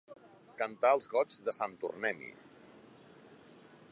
Cantar els goigs de sant Tornem-hi.